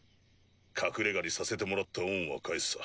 隠れ家にさせてもらった恩は返すさ。